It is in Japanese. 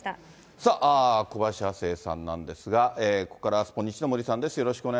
さあ、小林亜星さんなんですが、ここからスポニチの森さんです。